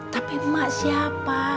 tapi emak siapa